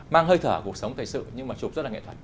mang hơi thở cuộc sống thời sự nhưng mà chụp rất là nghệ thuật